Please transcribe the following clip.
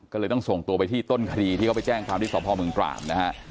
ก็เลยต้องส่งตัวไปที่ต้นคดีที่เขาไปแจ้งความที่สพเมืองตราดนะฮะ